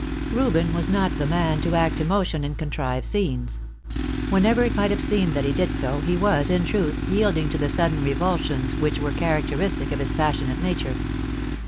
Reuben was not the man to act emotion and contrive scenes. Whenever it might have seemed that he did so, he was, in truth, yielding to the sudden revulsions which were characteristic of his passionate nature.